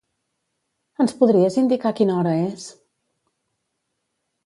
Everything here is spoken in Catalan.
Ens podries indicar quina hora és?